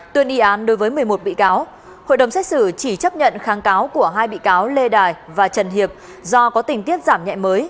tuyên y án đối với một mươi một bị cáo hội đồng xét xử chỉ chấp nhận kháng cáo của hai bị cáo lê đài và trần hiệp do có tình tiết giảm nhẹ mới